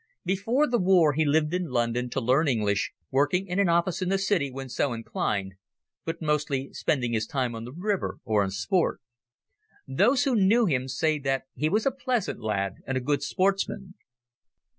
Before the war he lived in London, to learn English, working in an office in the city, when so inclined, but mostly spending his time on the river, or in sport. Those who knew him say that he was a pleasant lad and a good sportsman.